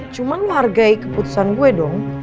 cuman lo hargai keputusan gue dong